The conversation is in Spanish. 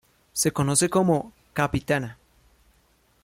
Se conoce como "capitana".